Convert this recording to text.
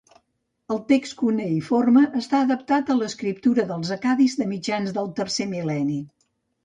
El text cuneïforme esta adaptat a l'escriptura dels Accadis de mitjans del tercer mil·lenni.